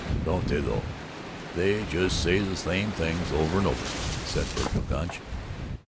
"Don't they, though! They just say the same things over and over," said Vergil Gunch.